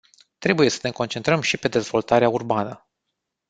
Trebuie să ne concentrăm și pe dezvoltarea urbană.